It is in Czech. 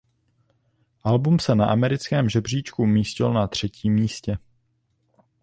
Album se na americkém žebříčku umístilo na třetím místě.